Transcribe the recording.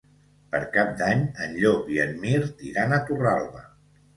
Per Cap d'Any en Llop i en Mirt iran a Torralba.